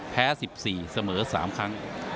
แพ้๑๔เสมอ๓ครั้ง